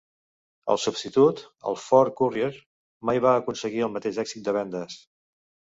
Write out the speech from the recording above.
El substitut, el Ford Courier, mai va aconseguir el mateix èxit de vendes.